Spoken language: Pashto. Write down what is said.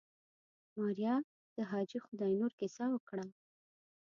ماريا د حاجي خداينور کيسه وکړه.